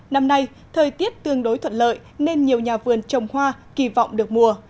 năm nay thời tiết tương đối thuận lợi nên nhiều nhà vườn trồng hoa kỳ vọng được mùa